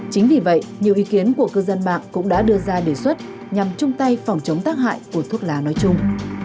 chính vì vậy nhiều ý kiến của cư dân mạng cũng đã đưa ra đề xuất nhằm chung tay phòng chống tác hại của thuốc lá nói chung